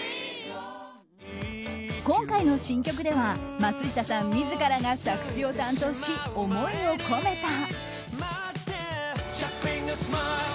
今回の新曲では松下さん自らが作詞を担当し、思いを込めた。